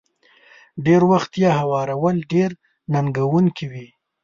ډېری وخت يې هوارول ډېر ننګوونکي وي.